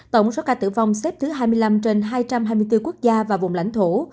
tổng số ca tử vong xếp thứ hai mươi năm trên hai trăm hai mươi bốn quốc gia và vùng lãnh thổ